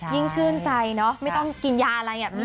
ยิ่งชื่นใจเนอะไม่ต้องกินยาอะไรแบบนี้